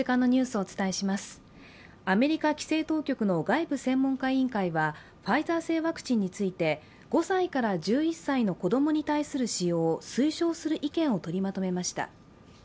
アメリカ規制当局の外部専門家委員会はファイザー製ワクチンについて５歳から１１歳の子供に対する使用を推奨する意見を取りまとめました。